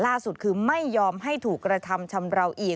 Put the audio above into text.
ล่าสุดคือไม่ยอมให้ถูกกระทำชำราวอีก